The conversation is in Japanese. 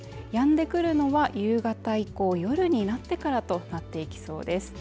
でくるのは夕方以降夜になってからとなっていきそうです。